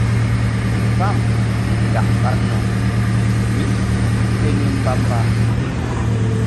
Pam ŋgak ɓa nok mí se ni mbamba.